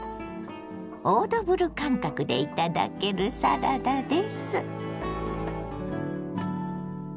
オードブル感覚で頂けるサラダです。